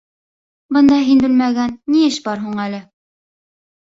— Бында һин белмәгән ни эш бар һуң әле?